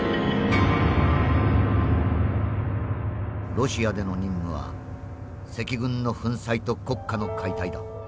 「ロシアでの任務は赤軍の粉砕と国家の解体だ。